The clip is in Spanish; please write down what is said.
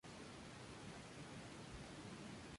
Completó secundaria.